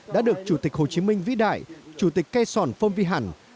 đã được chủ tịch hồ chí minh vĩ đại chủ tịch khe son phong vy hẳn